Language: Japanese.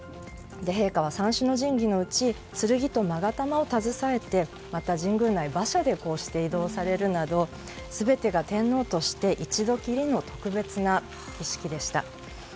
陛下は３種の神器のうち剣と勾玉を携えて神宮内を馬車で移動されるなど全てが天皇として一度きりの特別な儀式でした。